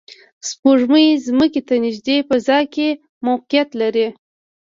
سپوږمۍ ځمکې ته نږدې فضا کې موقعیت لري